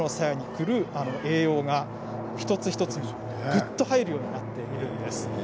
栄養が一つ一つぐっと入るようになっているんです。